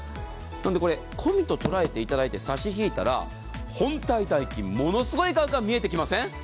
なので込みと捉えていただいて差し引いたら本体代金、ものすごい価格が見えてきません？